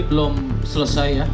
belum selesai ya